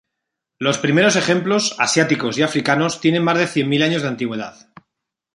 Los primeros ejemplos, asiáticos y africanos, tienen más de cien mil años de antigüedad.